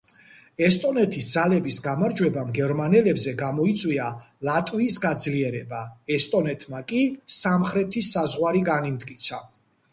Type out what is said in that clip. ესტონეთის ძალების გამარჯვებამ გერმანელებზე, გამოიწვია ლატვიის გაძლიერება, ესტონეთმა კი სამხრეთის საზღვარი განიმტკიცა.